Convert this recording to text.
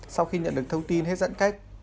sau khi nhận được thông tin hết giãn cách